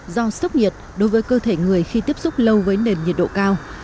do sốc nhiệt đối với cơ thể người khi tiếp xúc lâu với nền nhiệt độ cao